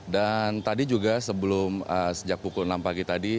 dan tadi juga sejak pukul enam pagi tadi